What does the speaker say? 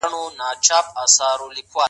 ما مينه نه پيژانده